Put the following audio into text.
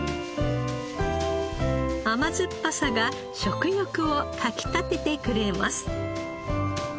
甘酸っぱさが食欲をかきたててくれます。